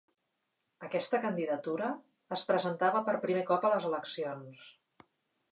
Aquesta candidatura es presentava per primer cop a les eleccions.